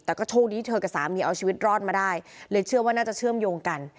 แต่ก็โชคดีที่เธอกับสามีเอาชีวิตรอดมาได้เลยเชื่อว่าน่าจะเชื่อมโยงกัน